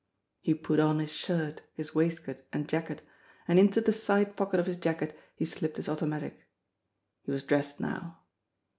He put on his shirt, his waistcoat and jacket, and into the side pocket of his jacket he slipped his automatic. He was dressed now.